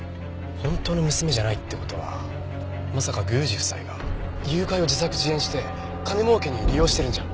本当の娘じゃないって事はまさか宮司夫妻が誘拐を自作自演して金儲けに利用してるんじゃ。